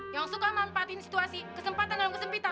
yang suka manfaatin situasi kesempatan dan kesempitan